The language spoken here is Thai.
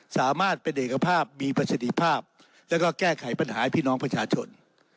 สามารถเป็นเอกภาพมีประสิทธิภาพแล้วก็แก้ไขปัญหาให้พี่น้องประชาชน